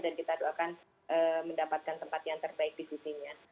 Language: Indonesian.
dan kita doakan mendapatkan tempat yang terbaik di kusimian